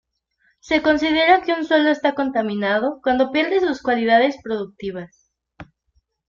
Se considera que un suelo está contaminado cuando pierde sus cualidades productivas.